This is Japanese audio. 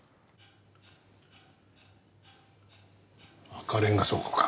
赤レンガ倉庫か。